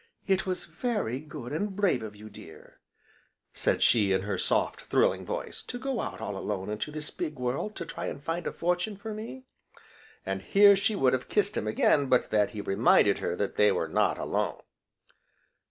"It was very good, and brave of you, dear," said she in her soft, thrilling voice, "to go out all alone into this big world to try and find a fortune for me!" and here she would have kissed him again but that he reminded her that they were not alone.